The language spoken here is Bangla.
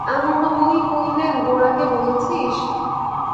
আনন্দময়ী কহিলেন, গোরাকে বলেছিস?